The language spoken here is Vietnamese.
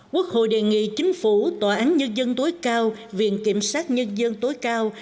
quốc hội đề nghị chính phủ tòa án nhân dân tối cao viện kiểm sát nhân dân tối cao